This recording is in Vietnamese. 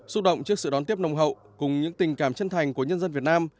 xúc động trước sự đón tiếp nồng hậu cùng những tình cảm chân thành của nhân dân việt nam